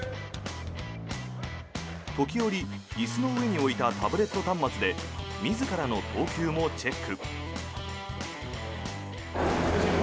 時折、椅子の上に置いたタブレット端末で自らの投球もチェック。